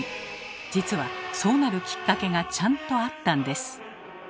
実はそうなるきっかけがちゃんとあったんです。